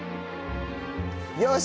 よし！